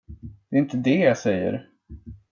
Det är inte det jag säger.